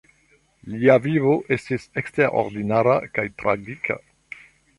Lia vivo estis eksterordinara kaj tragika.